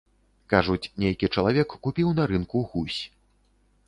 Кажуць, нейкі чалавек купіў на рынку гусь.